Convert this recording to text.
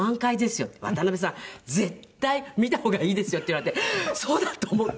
「渡辺さん絶対見た方がいいですよ」って言われてそうだ！と思って。